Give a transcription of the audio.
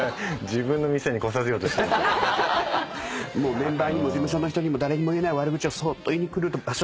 メンバーにも事務所の人にも誰にも言えない悪口をそっと言いにくる場所。